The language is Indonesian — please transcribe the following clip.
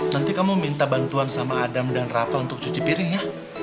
nanti kamu minta bantuan sama adam dan rafa untuk cuci piring ya